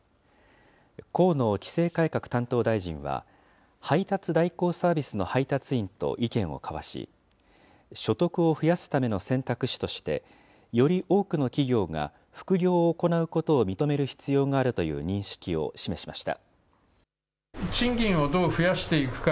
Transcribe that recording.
河野規制改革担当大臣は、配達代行サービスの配達員と意見を交わし、所得を増やすための選択肢として、より多くの企業が副業を行うことを認める必要があるという認識を示しました。